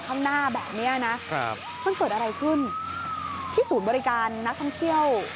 ข้างหน้าแบบนี้นะครับมันเกิดอะไรขึ้นที่ศูนย์บริการนักท่องเที่ยว